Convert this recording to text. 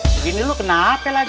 begini lo kenapa lagi